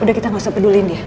udah kita gak usah peduliin dia